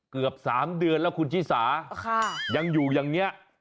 เกือบ๓เดือนแล้วคุณชิสายังอยู่อย่างนี้